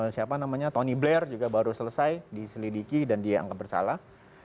siapa namanya tony blair juga baru selesai diselidiki dan dia anggap bersalah